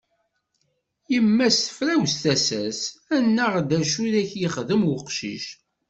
Yemma-s tefrawes tasa-s; annaɣ d acu i ak-yexdem uqcic?